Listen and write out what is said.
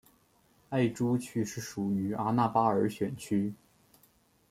艾珠区是属于阿纳巴尔选区。